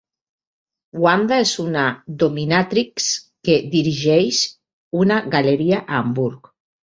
Wanda és una dominatrix que dirigeix una galeria a Hamburg.